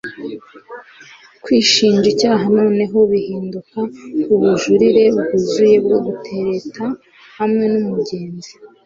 kwishinja icyaha noneho bihinduka ubujurire bwuzuye bwo gutereta hamwe n'umugezi